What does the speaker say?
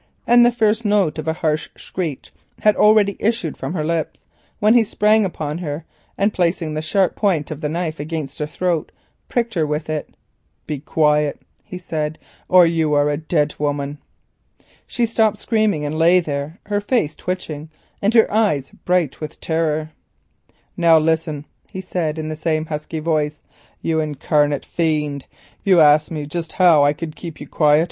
The first note of a harsh screech had already issued from her lips, when he sprang upon her, and placing the sharp point of the knife against her throat, pricked her with it. "Be quiet," he said, "or you are a dead woman." She stopped screaming and lay there, her face twitching, and her eyes bright with terror. "Now listen," he said, in the same husky voice. "You incarnate fiend, you asked me just now how I could keep you quiet.